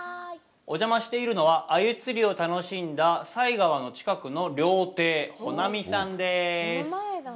お邪魔しているのは、鮎釣りを楽しんだ犀川の近くの料亭穂濤さんです。